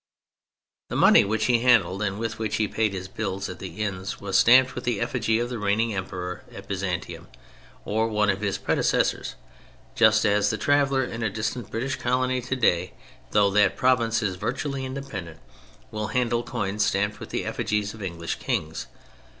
The money which he handled and with which he paid his bills at the inns, was stamped with the effigy of the reigning Emperor at Byzantium, or one of his predecessors, just as the traveler in a distant British colony today, though that province is virtually independent, will handle coins stamped with the effigies of English Kings.